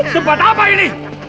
tempat apa ini